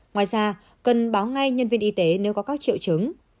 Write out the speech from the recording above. ngoài ra cần báo ngay nhân viên y tế nếu có các triệu chứng